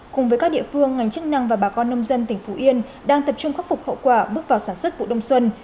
cùng với các địa phương ngành chức năng và bà con nông dân tỉnh phú yên đang tập trung khắc phục hậu quả bước vào sản xuất vụ đông xuân